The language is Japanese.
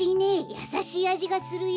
やさしいあじがするよ。